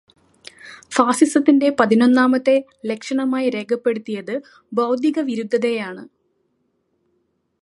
ഫാസിസത്തിന്റെ പതിനൊന്നാമത്തെ ലക്ഷണമായി രേഖപ്പെടുത്തിയത് ബൗദ്ധിക-വിരുദ്ധതയെയാണ്.